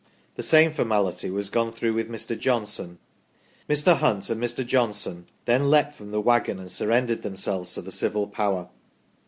The same formality was gone through with Mr. Johnson. Mr. Hunt and Mr. Johnson then leaped from the waggon and surrendered themselves to the civil power."